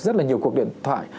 rất là nhiều cuộc điện thoại